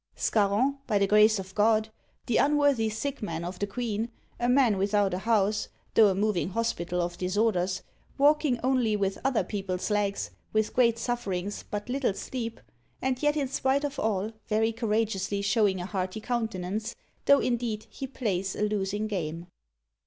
"Scarron, by the grace of God, the unworthy Sick Man of the Queen; a man without a house, though a moving hospital of disorders; walking only with other people's legs, with great sufferings, but little sleep; and yet, in spite of all, very courageously showing a hearty countenance, though indeed he plays a losing game."